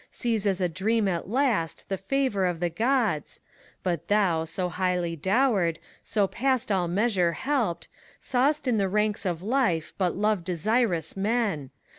Sees as a dream at last the favor of the Qods, But thou, so highly dowered, so past all measure helped, Saw'st in the ranks of life but love desirous men.